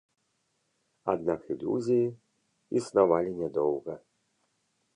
Аднак ілюзіі існавалі нядоўга.